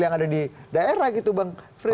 yang ada di daerah gitu bang frit